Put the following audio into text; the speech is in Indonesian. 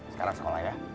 sekarang sekolah ya